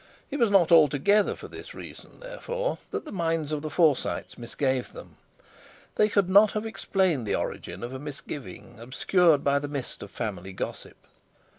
It was not altogether for this reason, therefore, that the minds of the Forsytes misgave them. They could not have explained the origin of a misgiving obscured by the mist of family gossip.